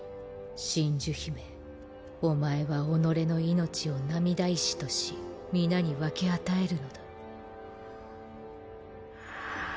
真珠姫お前は己の命を涙石とし皆に分け与えるのだ。